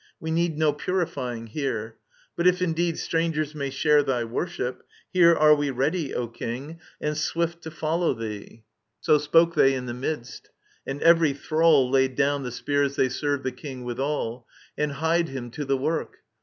We need No purifying here. But if indeed Strangers may share thy worship, here are we Ready, O King, and swift to follow thee." So spoke they in the midst. And every thrall Laid down the spears they served the King withal, And hied him to the work.